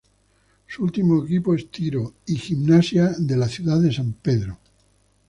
Su último equipo es Tiro y Gimnasia de la ciudad de San Pedro.